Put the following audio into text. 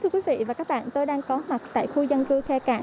thưa quý vị và các bạn tôi đang có mặt tại khu dân cư khe cạn